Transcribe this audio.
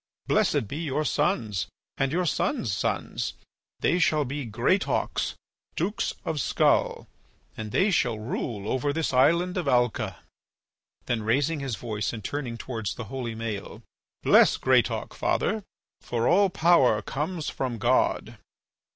Blessed be your sons and your sons' sons! They shall be Greatauks, Dukes of Skull, and they shall rule over this island of Alca." Then raising his voice and turning towards the holy Maël: "Bless Greatauk, father, for all power comes from God."